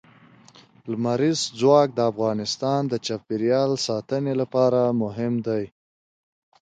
لمریز ځواک د افغانستان د چاپیریال ساتنې لپاره مهم دي.